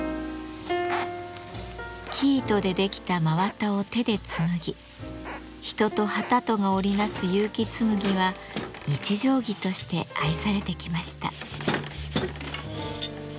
生糸で出来た真綿を手で紡ぎ人と機とが織り成す結城紬は日常着として愛されてきました。